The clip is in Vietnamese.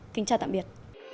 kính chào tạm biệt